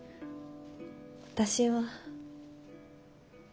私は。